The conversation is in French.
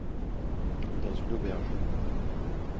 Dans une auberge.